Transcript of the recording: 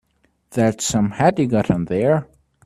That's some hat you got on there.